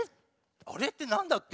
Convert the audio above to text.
アレってなんだっけ？